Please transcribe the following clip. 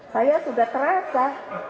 saya sudah terasa